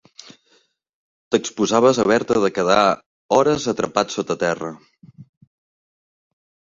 T'exposaves a haver-te de quedar hores atrapat sota terra.